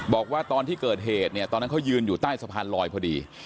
บอกว่าตอนที่เกิดเหตุเนี่ยตอนนั้นเขายืนอยู่ใต้สะพานลอยพอดี